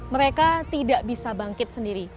mereka tidak bisa bangkit sendiri